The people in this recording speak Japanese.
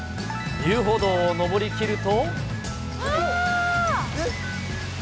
遊歩道をのぼりきると。